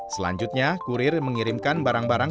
selanjutnya kurir mengirimkan barang barang